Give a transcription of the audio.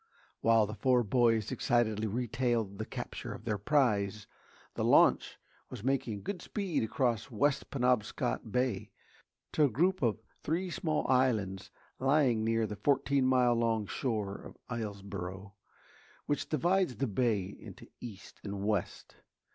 While the four boys excitedly retailed the capture of their prize, the launch was making good speed across West Penobscot Bay to a group of three small islands lying near the fourteen mile long shore of Islesboro, which divides the bay into east and west.